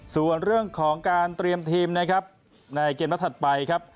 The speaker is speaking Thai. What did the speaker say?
ส่วนเรื่องของการเตรียมทีมในเกมรัฐถัดไป